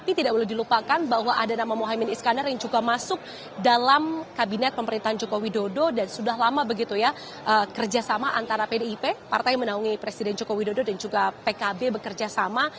tetapi tidak boleh dilupakan bahwa ada nama mohaimin iskandar yang juga masuk dalam kabinet pemerintahan jokowi dodo dan sudah lama begitu ya kerjasama antara pdip partai yang menanggungi presiden jokowi dodo dan juga pkb bekerjasama